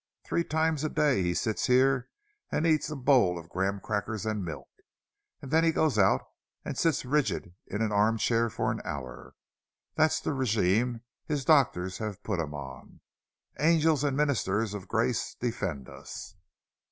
Three times every day he sits here and eats a bowl of graham crackers and milk, and then goes out and sits rigid in an arm chair for an hour. That's the regimen his doctors have put him on—angels and ministers of grace defend us!"